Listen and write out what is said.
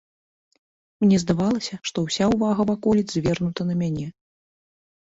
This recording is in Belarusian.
Мне здавалася, што ўся ўвага ваколіц звернута на мяне.